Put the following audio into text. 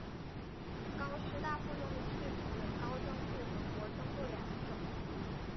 高师大附中的制服有高中部和国中部两种。